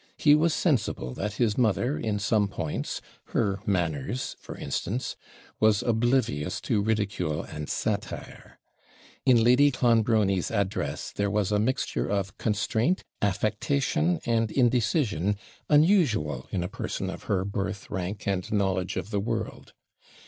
He was sensible that his mother, in some points her manners, for instance was oblivious to ridicule and satire. In Lady Clonbrony's address there was a mixture of constraint, affectation, and indecision, unusual in a person of her birth, rank, and knowledge of the world.